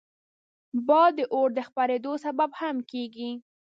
باد د اور د خپرېدو سبب هم کېږي